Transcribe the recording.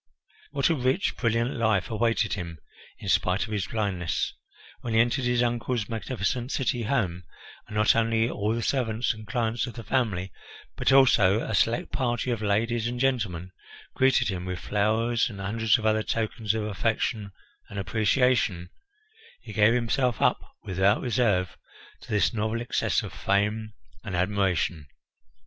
What a rich, brilliant life awaited him in spite of his blindness! When he entered his uncle's magnificent city home, and not only all the servants and clients of the family, but also a select party of ladies and gentlemen greeted him with flowers and hundreds of other tokens of affection and appreciation, he gave himself up without reserve to this novel excess of fame and admiration.